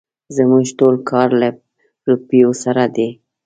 زموږ ټول کار له روپيو سره دی.